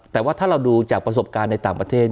แต่ว่าถ้าเราดูจากประสบการณ์ในต่างประเทศ